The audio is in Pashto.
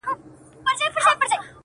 ما پر اوو دنياوو وسپارئ. خبر نه وم خو.